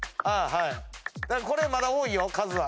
これまだ多いよ数は。